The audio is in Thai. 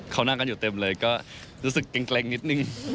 เขานั่งกันอยู่เต็มเลยก็รู้สึกเกร็งนิดนึง